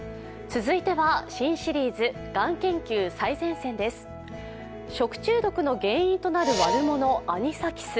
続いては、新シリーズ「がん研究最前線」です。食中毒の原因となる悪者アニサキス。